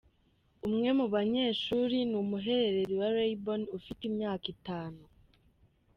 Umwe mu banyeshuri ni umuhererezi wa Laibon ufite imyaka itanu.